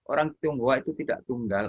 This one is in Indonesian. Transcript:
orang tionghoa itu tidak tunggal